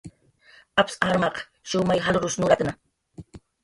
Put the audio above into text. Apsaq armaq shumay jalrus nuratna